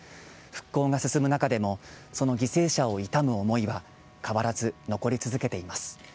復興が進む中でもその犠牲者を悼む思いは変わらず残り続けています。